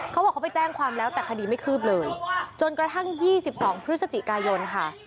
เขาบอกเขาไปแจ้งความแล้วแต่คดีไม่คืบเลยจนกระทั่ง๒๒พฤศจิกายนค่ะ